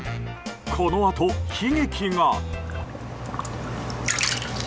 このあと、悲劇が。